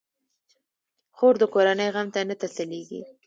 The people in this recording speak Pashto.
خور د کورنۍ غم ته نه تسلېږي.